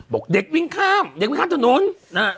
บอกเด็กวิ่งข้ามเด็กวิ่งข้ามถนนนะฮะ